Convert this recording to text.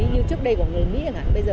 như trước đây của người mỹ bây giờ